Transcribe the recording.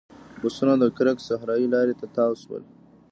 بسونه د کرک صحرایي لارې ته تاو شول.